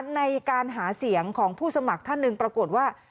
ในการหาเสียงของผู้สมัครท่านหนึ่งปรากฏว่า